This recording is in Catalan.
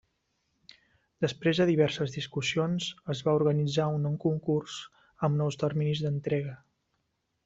Després de diverses discussions es va organitzar un nou concurs amb nous terminis d'entrega.